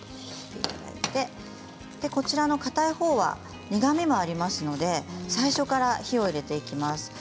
かたいほうは苦みもありますので最初から火を入れていきます。